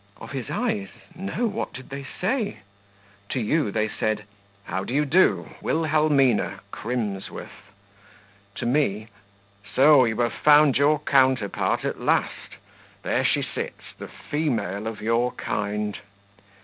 "Of his eyes? No. What did they say?" "To you they said, 'How do you do, Wilhelmina Crimsworth?' To me, 'So you have found your counterpart at last; there she sits, the female of your kind!